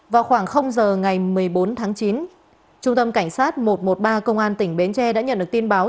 vào khoảng giờ ngày một mươi bốn tháng chín trung tâm cảnh sát một trăm một mươi ba công an tỉnh bến tre đã nhận được tin báo